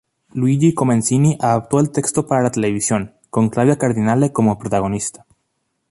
Luigi Comencini adaptó el texto para la televisión, con Claudia Cardinale como protagonista.